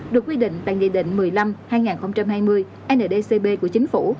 được quy định tại nghị định một mươi năm hai nghìn hai mươi ndcb của chính phủ